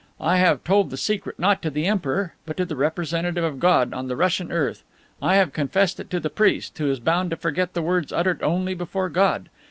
I have told the secret not to the Emperor, but to the representative of God on the Russian earth. I have confessed it to the priest, who is bound to forget the words uttered only before God.